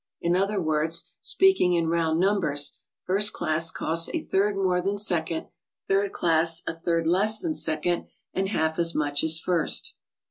In other words, speaking in round numbers, first class costs a third more than second; third class, a third less than second, and half as much as first.